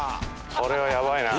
これはやばいな！